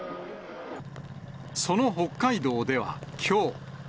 その北海道ではきょう。